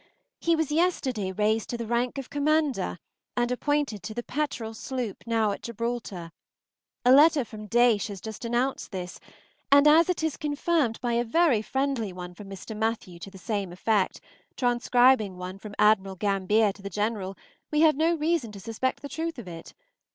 He was yesterday raised to the rank of Commander, and appointed to the "Petterel" sloop, now at Gibraltar. A letter from Daysh has just announced this, and as it is confirmed by a very friendly one from Mr. Mathew to the same effect, transcribing one from Admiral Gambier to the General, we have no reason to suspect the truth of it.